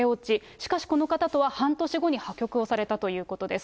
しかしこの方とは半年後に破局をされたということです。